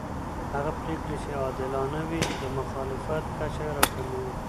هغه پرېکړې چې عادلانه وي د مخالفت کچه راکموي